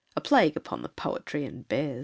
A plague upon the poetry and bears!